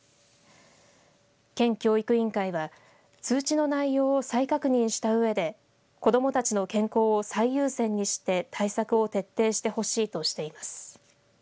県教育委員会は通知の内容を再確認したうえで子どもたちの健康を最優先にして対策を徹底してほしいとしています。